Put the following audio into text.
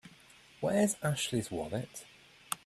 Where's Ashley's wallet?